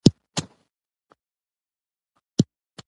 انګلیسي د انسان ذهن خلاصوي